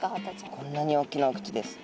こんなに大きなお口です。